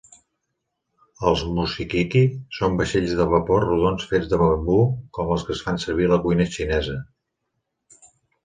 Els "Muskiki" són vaixells de vapor rodons fets de bambú com els que es fan servir a la cuina xinesa.